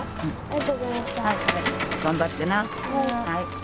はい。